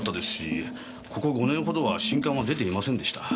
ここ５年ほどは新刊は出ていませんでした。